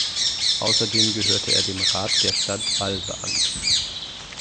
Außerdem gehörte er dem Rat der Stadt Balve an.